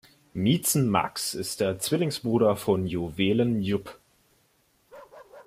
Miezen-Max ist der Zwillingsbruder von Juwelen-Jupp.